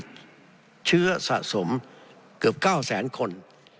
จะมีผู้ติดเชื้อสะสมเกือบเก้าแสนคน